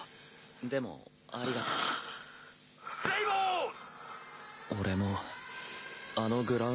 でもありがとう。プレイボール！